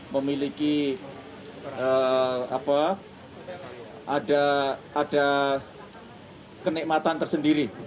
memiliki ada kenikmatan tersendiri